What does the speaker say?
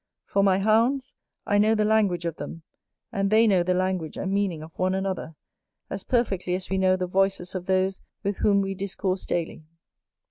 For my hounds, I know the language of them, and they know the language and meaning of one another, as perfectly as we know the voices of those with whom we discourse daily.